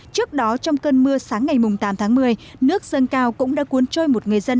trước đó trong cơn mưa sáng ngày tám tháng một mươi nước dâng cao cũng đã cuốn trôi một người dân